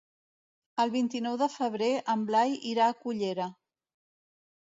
El vint-i-nou de febrer en Blai irà a Cullera.